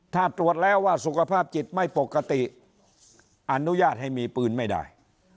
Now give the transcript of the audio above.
ถ้าตรวจแล้วว่าสุขภาพจิตไม่ปกติอนุญาตให้มีปืนไม่ได้